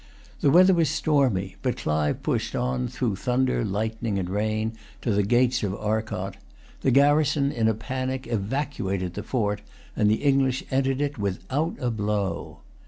The weather was stormy; but Clive pushed on, through thunder, lightning, and rain, to the gates of Arcot. The garrison, in a panic, evacuated the fort, and the English entered it without a blow.